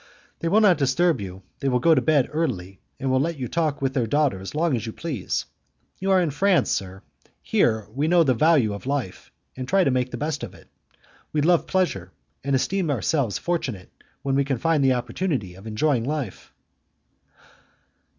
They will not disturb you; they will go to bed early, and will let you talk with their daughter as long as you please. You are in France, sir; here we know the value of life, and try to make the best of it. We love pleasure, and esteem ourselves fortunate when we can find the opportunity of enjoying life."